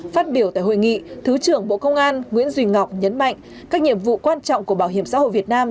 phát biểu tại hội nghị thứ trưởng bộ công an nguyễn duy ngọc nhấn mạnh các nhiệm vụ quan trọng của bảo hiểm xã hội việt nam